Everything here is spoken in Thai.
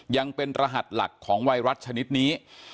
ยังเป็นรหัสหลักของไวรัสชนิดนี้